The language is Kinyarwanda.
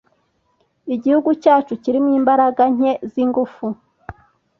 Igihugu cyacu kirimo imbaraga nke zingufu.